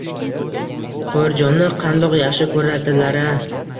Toyirjonni qandoq yaxshi ko‘rardilar-a!